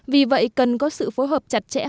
vì vậy cần có sự phối hợp chặt chẽ